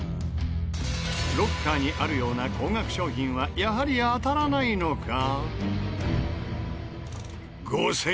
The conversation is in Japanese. ロッカーにあるような高額商品はやはり当たらないのか？